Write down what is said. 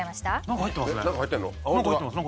何か入ってます。